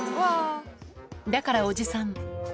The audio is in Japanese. だからおじさん。